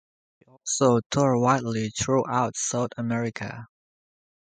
He also toured widely throughout South America.